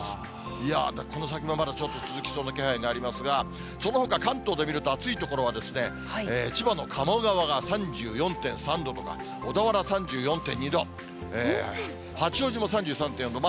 いやー、この先もまだちょっと続きそうな気配がありますが、そのほか関東で見ると、暑い所はですね、千葉の鴨川が３４．３度とか、小田原３４．２度、八王子も３３．４度。